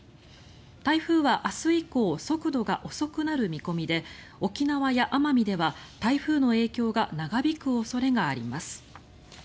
台風は明日以降速度が遅くなる見込みで沖縄や奄美では台風の影響が長引く恐れがあります。